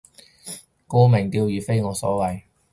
沽名釣譽非我所為